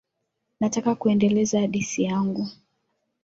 Nataka kuendeleza hadithi yangu.